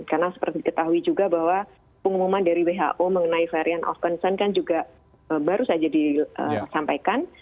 karena seperti diketahui juga bahwa pengumuman dari who mengenai variant of concern kan juga baru saja disampaikan